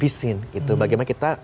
dan terlihat bagaimana kita